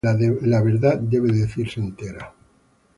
La verdad debe decirse entera.